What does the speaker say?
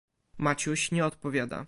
"Maciuś nie odpowiada."